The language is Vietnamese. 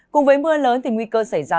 cùng với mưa lớn thì nguy cơ giảm nhanh